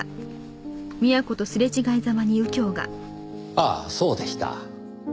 ああそうでした。